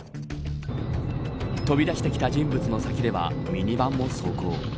飛び出してきた人物の先ではミニバンも走行。